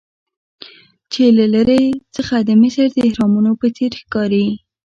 چې له لرې څخه د مصر د اهرامونو په څیر ښکاري.